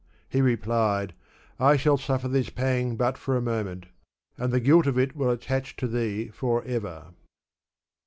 He replied, "I shall suffer this pang but for a moment, and the guilt of it will attach to thee forever."